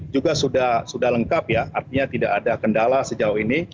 juga sudah lengkap ya artinya tidak ada kendala sejauh ini